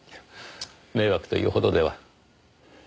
迷惑というほどでは。